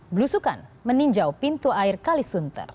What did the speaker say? belusukan meninjau pintu air kalisunter